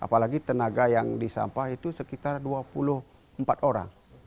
bagi tenaga yang disampah itu sekitar dua puluh empat orang